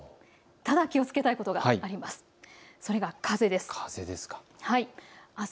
ただ気をつけたいことがあります。